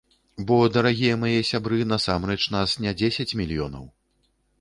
Бо, дарагія мае сябры, насамрэч нас не дзесяць мільёнаў.